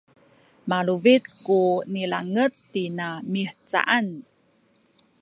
malubic ku nilangec tina mihcaan